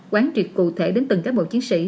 quán truyệt cụ thể đến từng các bộ chiến sĩ